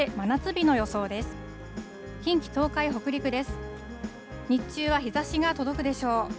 日中は日ざしが届くでしょう。